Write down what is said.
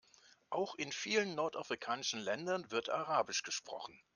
Auch in vielen nordafrikanischen Ländern wird arabisch gesprochen.